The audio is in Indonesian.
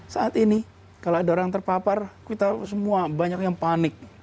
saat ini kalau ada orang terpapar kita semua banyak yang panik